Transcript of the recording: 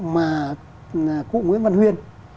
mà cụ nguyễn văn huyên